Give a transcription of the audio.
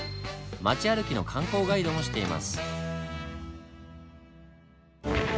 まち歩きの観光ガイドもしています。